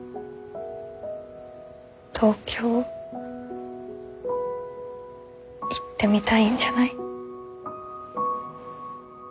東京行ってみたいんじゃない？